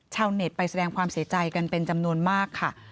เน็ตไปแสดงความเสียใจกันเป็นจำนวนมากค่ะ